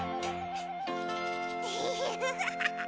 フフフフ。